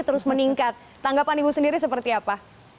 terus meningkat tanggapan ibu sendiri seperti apa